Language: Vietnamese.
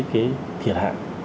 cái thiệt hạn